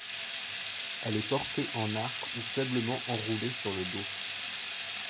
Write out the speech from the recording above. Elle est portée en arc ou faiblement enroulée sur le dos.